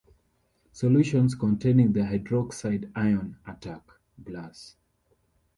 Solutions containing the hydroxide ion attack glass.